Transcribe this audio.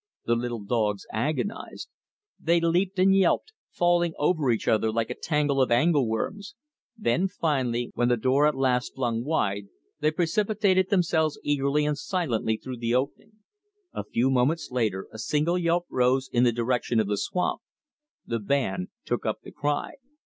The little dogs agonized. They leaped and yelped, falling over each other like a tangle of angleworms. Then finally, when the door at last flung wide, they precipitated themselves eagerly and silently through the opening. A few moments later a single yelp rose in the direction of the swamp; the band took up the cry.